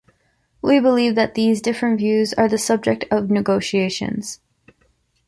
We believe that these different views are the subject of negotiations.